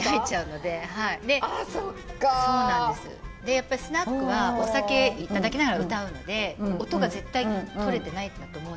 やっぱりスナックはお酒頂きながら歌うので音が絶対とれてないんだと思う。